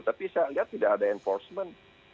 tapi saya lihat tidak ada enforcement